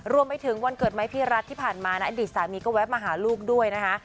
รวมไปถึงวันเกิดไม้พี่รัฐที่ผ่านมานะอดีตสามีก็แวะมาหาลูกด้วยนะคะ